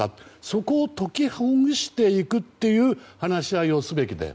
そこを解きほぐしていくという話し合いをすべきで。